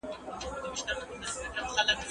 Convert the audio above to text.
ډیډیموس او ډیمورفوس د ماموریت هدف ترلاسه کړ.